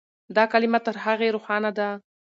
دا کلمه تر هغې روښانه ده.